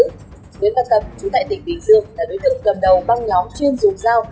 nguyễn văn cập trú tại tỉnh bình dương là đối tượng cầm đầu băng lóng chuyên dùng dao